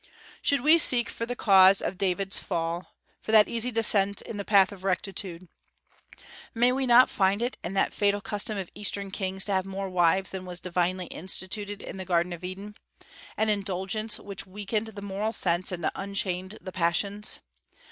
Should we seek for the cause of David's fall, for that easy descent in the path of rectitude, may we not find it in that fatal custom of Eastern kings to have more wives than was divinely instituted in the Garden of Eden, an indulgence which weakened the moral sense and unchained the passions?